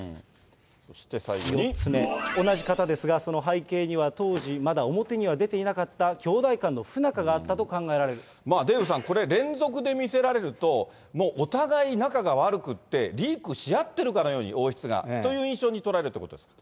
４つ目、同じ方ですが、その背景には、当時まだ表には出ていなかった、兄弟間の不仲があデーブさん、これ連続で見せられると、もうお互い、仲が悪くて、リークしあってるかのように、王室が、という印象に取られるということですか。